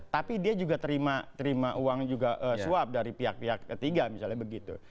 tapi dia juga terima uang juga suap dari pihak pihak ketiga misalnya begitu